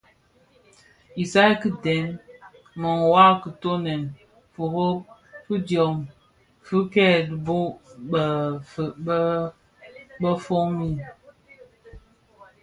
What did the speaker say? Isaï ki dèm, mëwa; kitoňèn, firob fidyom fi kè dhibo bëfœug befog mbiň,